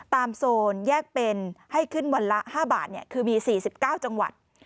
โซนแยกเป็นให้ขึ้นวันละ๕บาทคือมี๔๙จังหวัด